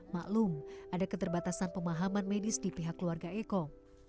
maklum ada keterbatasan pemahaman medis di pihak keluarga eko